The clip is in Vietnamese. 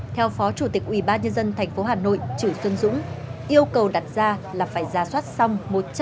theo phó chủ tịch ubnd tp hà nội trữ xuân dũng yêu cầu đặt ra là phải giả soát xong một trăm linh